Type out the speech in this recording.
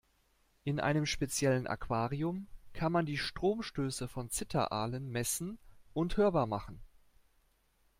In einem speziellen Aquarium kann man die Stromstöße von Zitteraalen messen und hörbar machen.